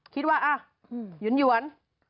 คิดว่าอ้าวหยุ่น